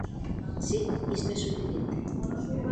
Si, isto é suficiente.